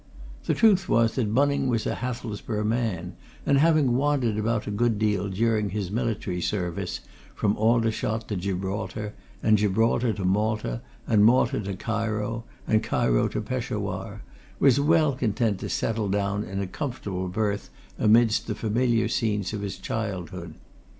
The truth was that Bunning was a Hathelsborough man, and having wandered about a good deal during his military service, from Aldershot to Gibraltar, and Gibraltar to Malta, and Malta to Cairo, and Cairo to Peshawar, was well content to settle down in a comfortable berth amidst the familiar scenes of his childhood.